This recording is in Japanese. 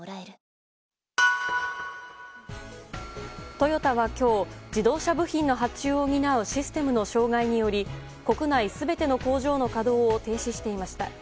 トヨタは今日、自動車部品の発注を担うシステムの障害により国内全ての工場の稼働を停止していました。